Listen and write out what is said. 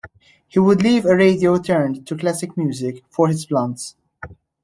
He would leave a radio tuned to classical music for his plants.